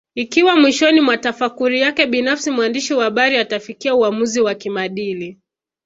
Ikiwa mwishoni mwa tafakuri yake binafsi mwandishi wa habari atafikia uamuzi wa kimaadili